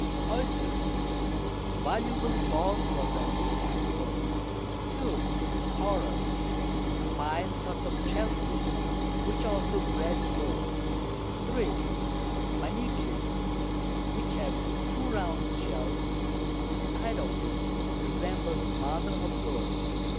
Oisters, valuable both for their Meat and Pearls. 2. Choros, a fine Sort of Shell fish, which also breed Pearl. 3. Manegues, which have 2 round Shells, the inside of which resembles Mother of Pearl.